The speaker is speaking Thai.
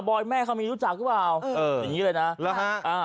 อยแม่เขามีรู้จักหรือเปล่าเอออย่างงี้เลยนะแล้วฮะอ่า